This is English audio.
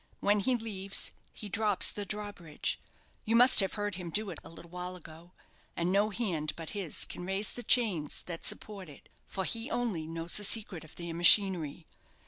When he leaves, he drops the drawbridge you must have heard him do it a little while ago and no hand but his can raise the chains that support it; for he only knows the secret of their machinery.